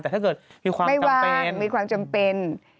แต่ถ้าเกิดมีความไม่วางมีความจำเป็น